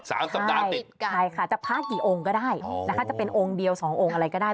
สามสัปดาห์ติดกันใช่ค่ะจะพระกี่องค์ก็ได้อ๋อนะคะจะเป็นองค์เดียวสององค์อะไรก็ได้